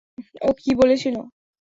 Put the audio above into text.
ও কী বলেছিল?